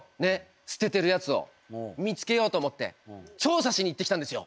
捨ててるやつを見つけようと思って調査しに行ってきたんですよ。